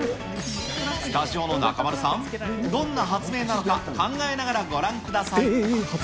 スタジオの中丸さん、どんな発明なのか、考えながらご覧ください。